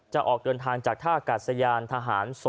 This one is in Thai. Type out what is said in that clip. จะออกเดินทางจากท่ากัดสยานทหาร๒